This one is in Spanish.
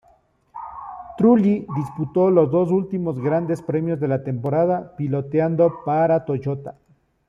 Trulli disputó los dos últimos grandes premios de la temporada pilotando para Toyota.